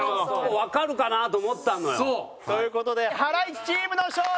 わかるかな？と思ったのよ。という事でハライチチームの勝利！